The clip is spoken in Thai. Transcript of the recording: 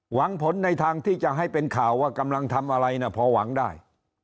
หวังผลในทางที่จะให้เป็นข่าวว่ากำลังทำอะไรนะพอหวังได้